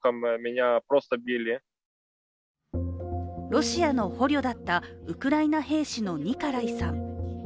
ロシアの捕虜だったウクライナ兵士のニカライさん。